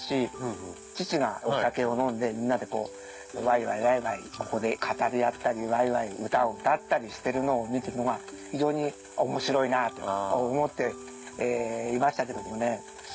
父がお酒を飲んでみんなでこうワイワイワイワイここで語り合ったりワイワイ歌を歌ったりしてるのを見てるのが非常に面白いなと思っていましたけどもね。